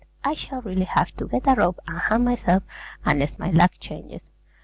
I shall really have to get a rope and hang myself unless my luck changes.